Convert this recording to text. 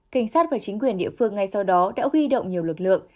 cảnh sát và chính quyền địa phương ngay sau đó đã huy động nhiều lực lượng